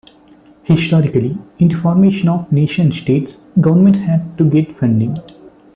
Historically, in the formation of nation-states, governments had to get funding.